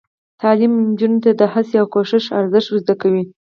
تعلیم نجونو ته د هڅې او کوشش ارزښت ور زده کوي.